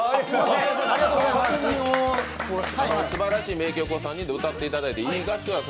すばらしい名曲を３人で歌っていただいていい合唱だった。